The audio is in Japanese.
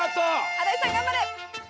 新井さん頑張れ！